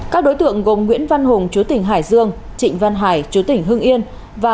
các đối tượng gồm nguyễn văn hùng chúa tỉnh hải dương trịnh văn hải chúa tỉnh hưng yên và